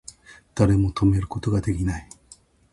誰も止めること出来ない